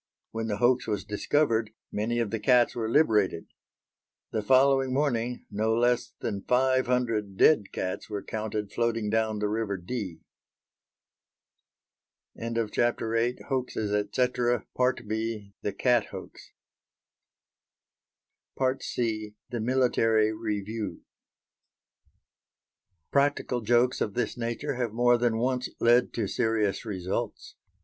When the hoax was discovered many of the cats were liberated; the following morning no less than five hundred dead cats were counted floating down the river Dee. C. THE MILITARY REVIEW Practical jokes of this nature have more than once led to serious results.